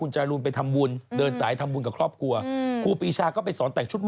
เจ๊บ้าบิลอยู่ไหนทั่ว